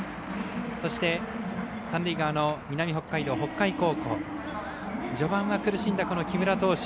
そして三塁側の南北海道、北海高校序盤は苦しんだ木村投手。